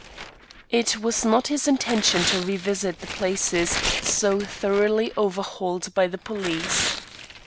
It was not his intention to revisit the places so thoroughly overhauled by the police.